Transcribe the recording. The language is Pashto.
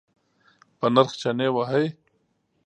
په نرخ چنی وهئ؟